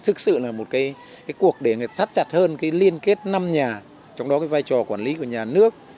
thực sự là một cái cuộc để người ta thắt chặt hơn cái liên kết năm nhà trong đó cái vai trò quản lý của nhà nước